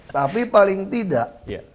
tapi paling tidak